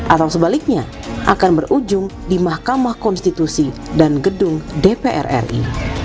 atau sebaliknya akan berujung di mahkamah konstitusi dan gedung dpr ri